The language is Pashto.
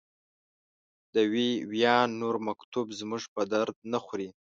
د وي ویان نور مکتوب زموږ په درد نه خوري.